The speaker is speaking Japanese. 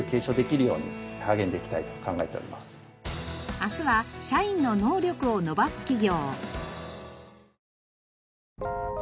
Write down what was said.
明日は社員の能力を伸ばす企業。